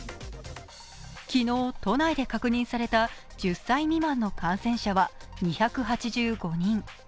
昨日、都内で確認された１０歳未満の感染者は２８５人。